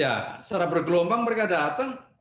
ya secara bergelombang mereka datang